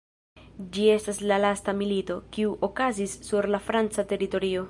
Ĝi estas la lasta milito, kiu okazis sur la franca teritorio.